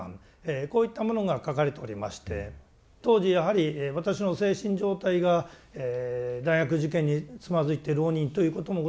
こういったものが書かれておりまして当時やはり私の精神状態が大学受験につまずいて浪人ということもございまして